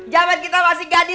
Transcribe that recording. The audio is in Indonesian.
damat kita masih gadis dulu